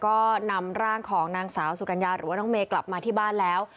ก็นำร่างของนางสาวสุกัญญาหรือว่าน้องเมย์กลับมาที่บ้านแล้ว